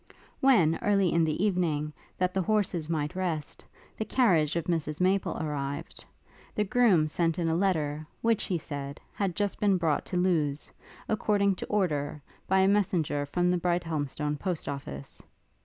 When, early in the evening, that the horses might rest, the carriage of Mrs Maple arrived, the groom sent in a letter, which, he said, had just been brought to Lewes, according to order, by a messenger from the Brighthelmstone post office.